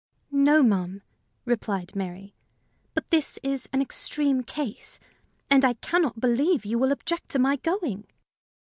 "'No, ma'am," replied Mary; "but this is an extreme case, and I can not believe you will object to my going."